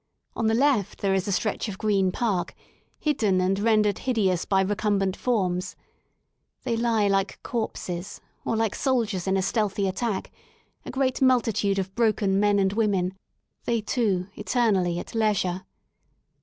On the left there is a stretch of green park, hidden and rendered hideous by recumbent forms. They lie like corpses, or like soldiers in a stealthy attack, a great multitude of broken men and women, they, too, eternally at leisure.